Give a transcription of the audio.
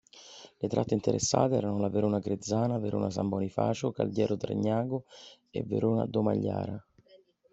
Le tratte interessate erano la Verona-Grezzana, Verona-San Bonifacio, Caldiero-Tregnago e Verona-Domegliara.